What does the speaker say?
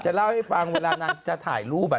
เล่าให้ฟังเวลานางจะถ่ายรูป